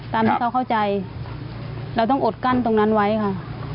ตามที่เขาเข้าใจเราต้องอดกั้นตรงนั้นไว้ค่ะ